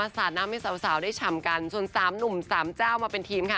สาดน้ำให้สาวได้ฉ่ำกันส่วน๓หนุ่มสามเจ้ามาเป็นทีมค่ะ